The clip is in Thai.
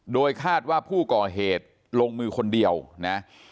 โดยคาดว่าผู้ก่อเหตุลงมือคนเดียวนะ